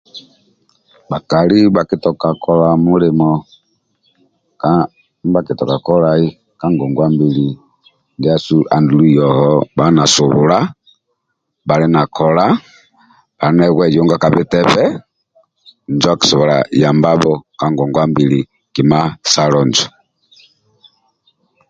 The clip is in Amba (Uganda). Bhakali bhakitoka kola mulimo ndibha kitoka kolai ka ngonguwa mbili ndiasu andulu yoho bhali na hulula, bhali na kola, bhali na kweyunga ka bitebe injo akisobola yambabho ka ngonguwa mbili kima salo injo.